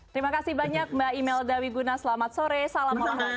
terima kasih banyak mbak imelda wiguna selamat sore assalamualaikum